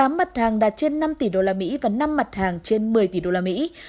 tám mặt hàng đạt trên năm tỷ usd và năm mặt hàng trên một mươi tỷ usd